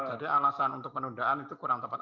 jadi alasan untuk penundaan itu kurang tepat